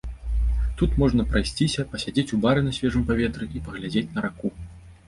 Тут можна прайсціся, пасядзець у бары на свежым паветры і паглядзець на раку.